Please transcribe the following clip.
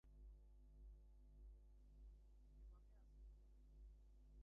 The City of Mount Calm is served by the Mount Calm Independent School District.